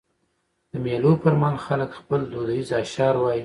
د مېلو پر مهال خلک خپل دودیز اشعار وايي.